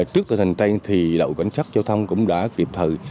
trước từ thành tranh thì đạo cảnh sát giao thông cũng đã kịp thời